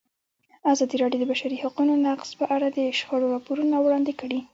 ازادي راډیو د د بشري حقونو نقض په اړه د شخړو راپورونه وړاندې کړي.